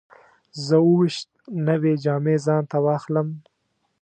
زه اووه ویشت نوې جامې ځان ته واخلم.